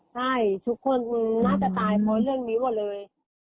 ใช่ทุกคนน่าจะตายเพราะเรื่องนี้หมดเลย